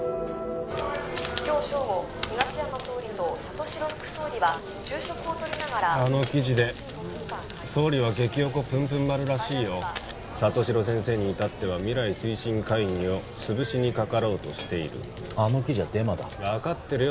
今日正午東山総理と里城副総理は昼食をとりながらあの記事で総理は激おこぷんぷん丸らしいよ里城先生にいたっては未来推進会議をつぶしにかかろうとしているあの記事はデマだ分かってるよ